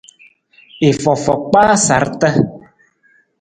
I fofo kpaa sarata.